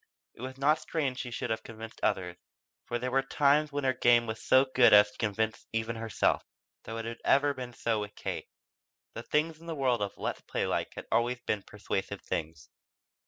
It was not strange she should have convinced others, for there were times when her game was so good as to convince even herself. Though it had ever been so with Kate. The things in the world of "Let's play like" had always been persuasive things.